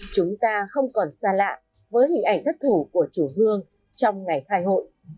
chúng ta không còn xa lạ với hình ảnh thất thủ của chùa hương trong ngày khai hội